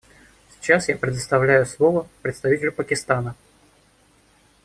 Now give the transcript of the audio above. Сейчас я предоставляю слово представителю Пакистана.